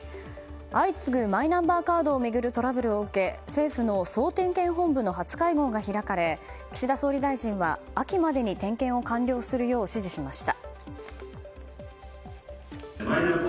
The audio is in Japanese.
相次ぐマイナンバーカードを巡るトラブルを受け政府の総点検本部の初会合が開かれ岸田総理大臣は秋までに点検を完了するよう指示しました。